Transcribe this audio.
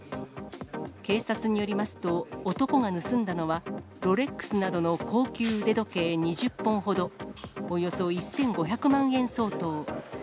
警察によりますと、男が盗んだのは、ロレックスなどの高級腕時計２０本ほど、およそ１５００万円相当。